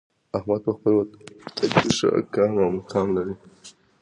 احمد په خپل وطن کې ښه قام او مقام لري.